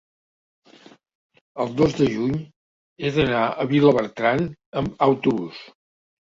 el dos de juny he d'anar a Vilabertran amb autobús.